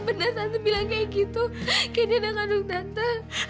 benar tante bilang kayak gitu candy adalah anak gandung tante